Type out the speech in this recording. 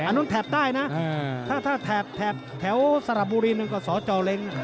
อันนั้นแถบได้นะถ้าแถบแถวสระบุรีหนึ่งก็สจเล็ง